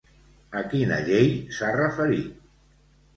A quina llei s'ha referit?